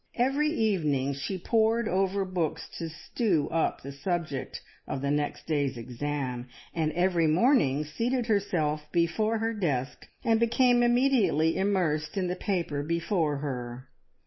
Every evening she pored over books to "stew" up the subject of the next day's exam, and every morning seated herself before her desk, and became immediately immersed in the paper before her.